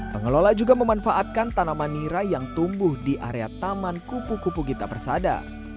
pengelola juga memanfaatkan tanaman nirai yang tumbuh di area taman kupu kupu gita persada